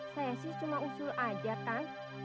saya sih cuma usul aja kan